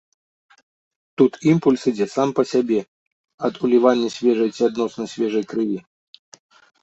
Тут імпульс ідзе сам па сябе, ад улівання свежай ці адносна свежай крыві.